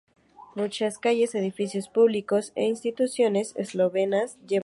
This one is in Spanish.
Muchas calles, edificios públicos e instituciones eslovenas llevan su nombre.